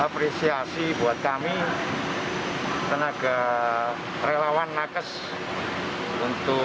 suatu apresiasi buat kami tenaga relawan nakes untuk pandemi saat ini